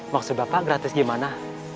maksud bapak gratis gimana